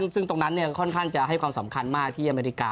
ซึ่งตรงนั้นค่อนข้างจะให้ความสำคัญมากที่อเมริกา